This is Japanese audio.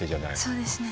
そうですね。